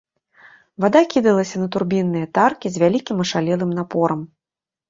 Вада кідалася на турбінныя таркі з вялікім ашалелым напорам.